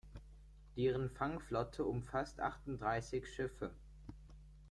Deren Fangflotte umfasst achtunddreißig Schiffe.